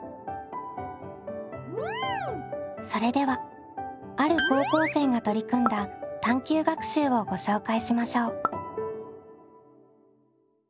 それではある高校生が取り組んだ探究学習をご紹介しましょう。